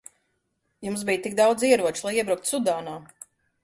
Jums bija tik daudz ieroču, lai iebruktu Sudānā.